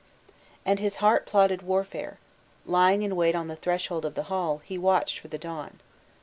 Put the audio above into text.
And his heart plotted warfare; lying in wait on the threshold of the hall, he watched for the dawn.